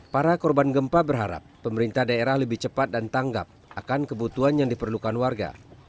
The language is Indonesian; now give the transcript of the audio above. para korban gempa berharap pemerintah daerah lebih cepat dan tanggap akan kebutuhan yang diperlukan warga